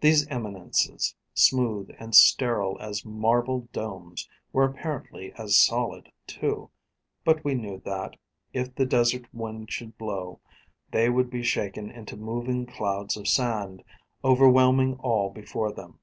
These eminences, smooth and sterile as marble domes, were apparently as solid too; but we knew that, if the desert wind should blow, they would be shaken into moving clouds of sand, overwhelming all before them.